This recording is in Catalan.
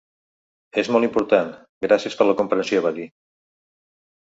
És molt important, gràcies per la comprensió, va dir.